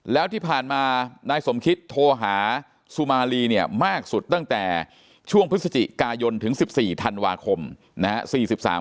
แล้วที่ผ่านมานายสมคิตโทรหาสุมารีเนี่ยมากสุดตั้งแต่ช่วงพฤศจิกายนถึง๑๔ธันวาคมนะฮะ